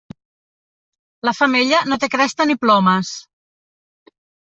La femella no té cresta ni plomes.